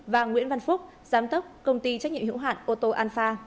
và nguyễn văn phúc giám tốc công ty trách nhiệm hữu hạn ô tô alfa